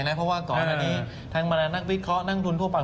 เพราะว่าก่อนอันนี้ทั้งบรรดานักวิเคราะห์นักทุนทั่วไป